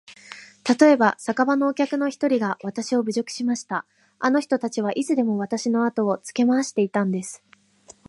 たとえば、酒場のお客の一人がわたしを侮辱しました。あの人たちはいつでもわたしのあとをつけ廻していたんです。